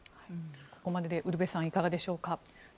ここまでウルヴェさんいかがでしょうか？